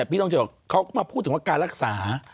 พี่ต้องเจอเขาก็มาพูดถึงว่าการรักษา